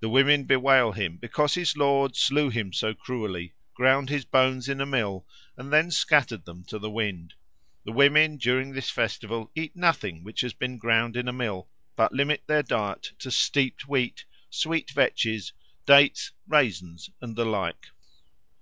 The women bewail him, because his lord slew him so cruelly, ground his bones in a mill, and then scattered them to the wind. The women (during this festival) eat nothing which has been ground in a mill, but limit their diet to steeped wheat, sweet vetches, dates, raisins, and the like."